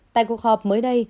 tại cuộc họp mới đây